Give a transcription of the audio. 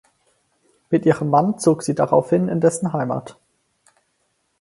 Mit ihrem Mann zog sie daraufhin in dessen Heimat.